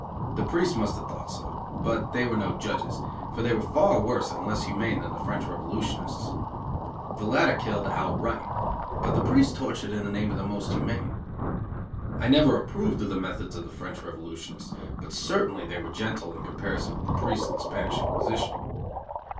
The priests must have thought so, but they were no judges, for they were far worse and less humane than the French revolutionists. The latter killed outright, but the priests tortured in the name of the Most Humane. I never approved of the methods of the French revolutionists, but certainly they were gentle in comparison with the priests of the Spanish Inquisition.